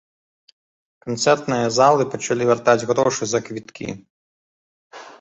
Канцэртныя залы пачалі вяртаць грошы за квіткі.